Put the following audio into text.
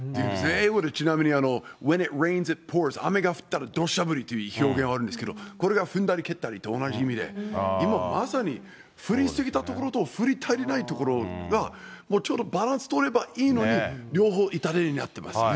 英語でちなみに、雨が降ったらどしゃ降りっていう表現があるんですけれども、これが踏んだり蹴ったりと同じ意味で、今まさに、降り過ぎた所と、降り足りない所が、ちょうどバランス取ればいいのに、両方痛手になってますよね。